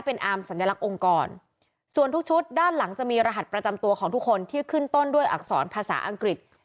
เป็นอามสัญลักษณ์องค์กรส่วนทุกชุดด้านหลังจะมีรหัสประจำตัวของทุกคนที่ขึ้นต้นด้วยอักษรภาษาอังกฤษ